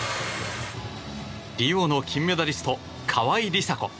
リオの金メダリスト川井梨紗子。